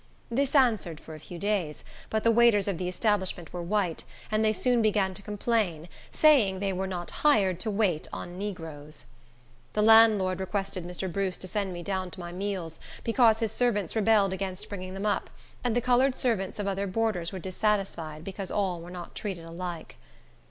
This answered for a few days; but the waiters of the establishment were white, and they soon began to complain, saying they were not hired to wait on negroes. The landlord requested Mr. Bruce to send me down to my meals, because his servants rebelled against bringing them up, and the colored servants of other boarders were dissatisfied because all were not treated alike.